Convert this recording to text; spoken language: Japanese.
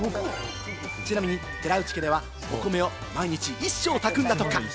ちなみに寺内家では、お米を毎日一升、炊くんだとか。